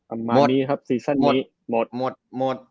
อันมานี้ครับซีซั่นนี้หมดหมดหมดหมด